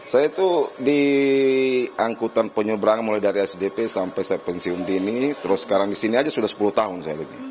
saya itu di angkutan penyeberangan mulai dari sdp sampai saya pensiun dini terus sekarang di sini aja sudah sepuluh tahun saya lihat